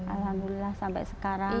alhamdulillah sampai sekarang